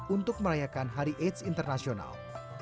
untuk merayakan hari aids internasional